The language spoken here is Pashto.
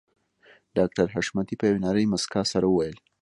ډاکټر حشمتي په يوې نرۍ مسکا سره وويل